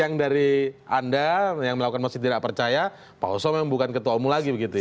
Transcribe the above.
yang dari anda yang melakukan masih tidak percaya pak oso memang bukan ketua umum lagi begitu ya